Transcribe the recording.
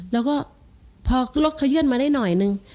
แล้วก็พอรถเขยื่นมาได้หน่อยนึง